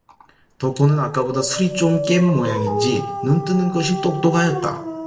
덕호는 아까보다 술이 좀 깬 모양인지 눈 뜨는 것이 똑똑하였다.